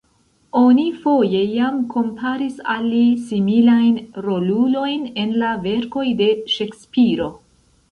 Oni foje jam komparis al li similajn rolulojn en la verkoj de Ŝekspiro.